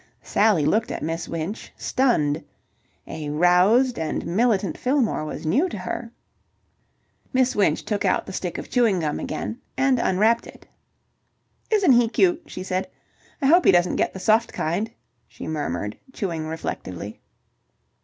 Sally looked at Miss Winch, stunned. A roused and militant Fillmore was new to her. Miss Winch took out the stick of chewing gum again and unwrapped it. "Isn't he cute!" she said. "I hope he doesn't get the soft kind," she murmured, chewing reflectively.